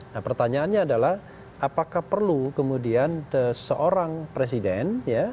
nah pertanyaannya adalah apakah perlu kemudian seorang presiden